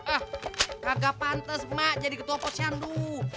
eh kagak pantes emak jadi ketua posyandu